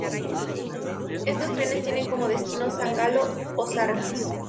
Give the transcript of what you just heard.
Estos trenes tienen como destino San Galo o Sargans.